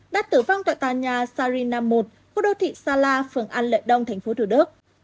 đã tử vong tại tòa nhà sarina một khu đô thị sala phường an lợi đông tp thủ đức